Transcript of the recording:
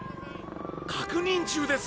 ・確認中です！